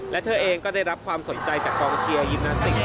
และเธอเองก็ได้รับความสนใจจากกองเชียร์ยิมนาสติก